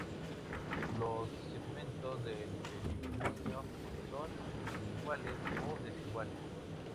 Los segmentos del perigonio son subiguales o desiguales.